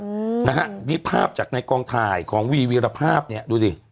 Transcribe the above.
อืมนะฮะนี่ภาพจากในกองถ่ายของวีวีรภาพเนี้ยดูดิ